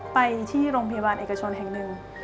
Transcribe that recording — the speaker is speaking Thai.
ไปที่โรงพยาบาลเอกชนแห่งหนึ่ง